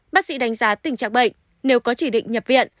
bác sĩ đánh giá tình trạng bệnh nếu có chỉ định nhập viện